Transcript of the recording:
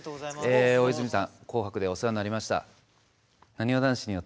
大泉さん「紅白」でお世話になりました。